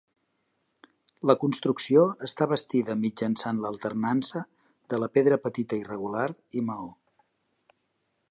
La construcció està bastida mitjançant l'alternança de la pedra petita irregular i maó.